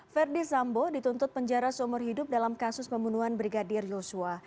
verdi sambo dituntut penjara seumur hidup dalam kasus pembunuhan brigadir yosua